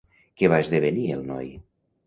Què va esdevenir el noi?